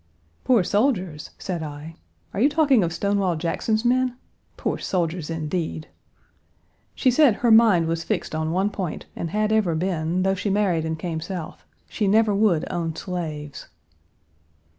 "Poor soldiers?" said I. "Are you talking of Stonewall Jackson's men? Poor soldiers, indeed!" She said her mind was fixed on one point, and had ever been, though she married and came South: she never would own slaves.